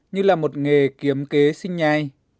như là một nghề kiếm kế sinh nhai